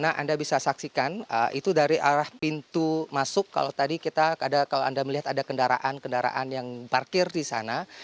nah anda bisa saksikan itu dari arah pintu masuk kalau tadi kita ada kalau anda melihat ada kendaraan kendaraan yang parkir di sana